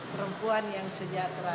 perempuan yang sejahtera